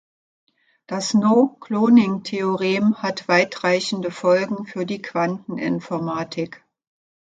Das No-Cloning-Theorem hat weitreichende Folgen für die Quanteninformatik.